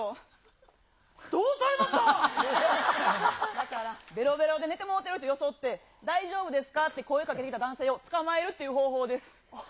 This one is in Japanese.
だから、べろべろで寝てもうてるって装って、大丈夫ですかって声かけてきた男性をつかまえるっていう方法です。